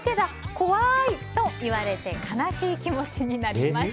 怖いと言われて悲しい気持ちになりました。